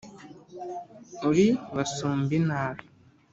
uri basumbinabi